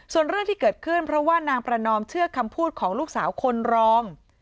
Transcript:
ส่วนเรื่องที่เกิดขึ้นเพราะว่านางประนอมเชื่อคำพูดของลูกสาวคนรอง